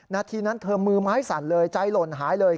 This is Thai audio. นาทีนั้นเธอมือไม้สั่นเลยใจหล่นหายเลย